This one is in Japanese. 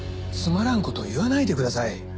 つまらんこと言わないでください。